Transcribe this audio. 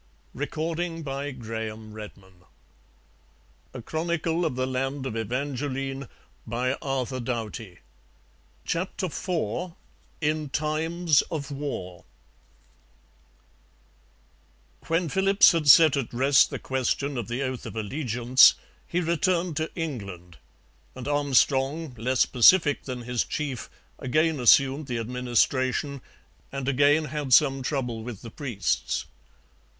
The triumph was, however, more superficial than real, as we shall see by and by. CHAPTER IV IN TIMES OF WAR When Philipps had set at rest the question of the oath of allegiance, he returned to England, and Armstrong, less pacific than his chief, again assumed the administration, and again had some trouble with the priests.